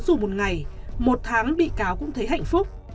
dù một ngày một tháng bị cáo cũng thấy hạnh phúc